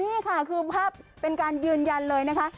นี่ค่ะคือภาพเป็นการยืนยันเลยนะคะ